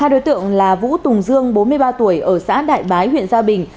hai đối tượng là vũ tùng dương bốn mươi ba tuổi ở xã đại bái huyện gia bình